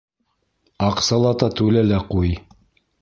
Аҡсалата түлә лә ҡуй!